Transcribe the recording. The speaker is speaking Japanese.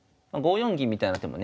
四銀みたいな手もね